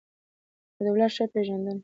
د دولت ښه پېژندنه